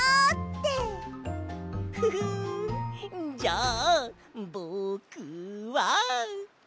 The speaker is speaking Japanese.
フフンじゃあぼくは。